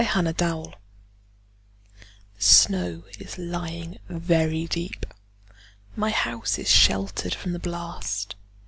Convention THE SNOW is lying very deep.My house is sheltered from the blast.